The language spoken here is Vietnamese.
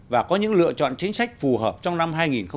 và có những lựa chọn chính sách phù hợp trong năm hai nghìn một mươi tám